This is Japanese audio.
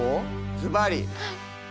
ずばり。